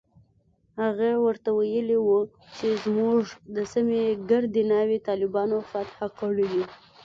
هغه ورته ويلي و چې زموږ د سيمې ګردې ناوې طالبانو فتح کړي دي.